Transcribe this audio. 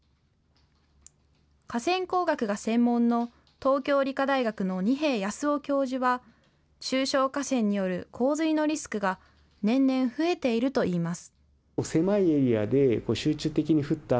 河川工学が専門の東京理科大学の二瓶泰雄教授は中小河川による洪水のリスクが年々、増えているといいます。